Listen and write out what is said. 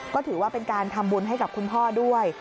ก็ถือว่าเป็นการทำบุญให้กับคุณพ่อด้วย